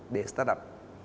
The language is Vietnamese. để start up